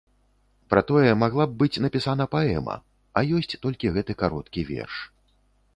Пра тое магла б быць напісана паэма, а ёсць толькі гэты кароткі верш.